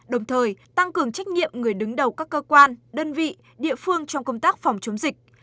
đồng thời tăng cường trách nhiệm người đứng đầu các cơ quan đơn vị địa phương trong công tác phòng chống dịch